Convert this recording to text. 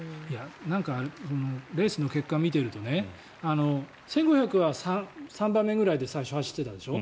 なんかレースの結果を見ていると１５００ｍは３番目ぐらいで最初走っていたでしょ。